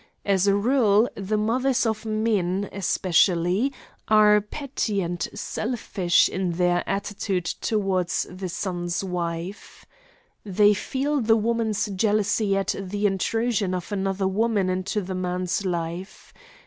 As a rule the mothers of men, especially, are petty and selfish in their attitude to the son's wife. They feel the woman's jealousy at the intrusion of another woman into the man's life.